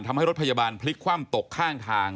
ทำให้รถพยาบาลพลิกความตกข้างทาง